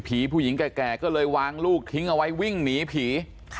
ผู้หญิงแก่ก็เลยวางลูกทิ้งเอาไว้วิ่งหนีผี